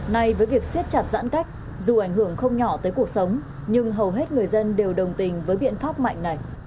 nay với việc siết chặt giãn cách dù ảnh hưởng không nhỏ tới cuộc sống nhưng hầu hết người dân đều đồng tình với biện pháp mạnh này